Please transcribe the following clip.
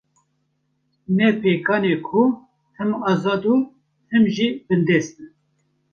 Ne pêkan e ku him azad û him jî bindest bin